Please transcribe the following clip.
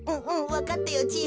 わかったよじい。